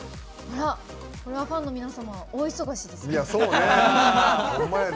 これはファンの皆様大忙しですね。